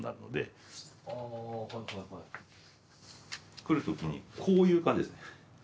来るときにこういう感じです。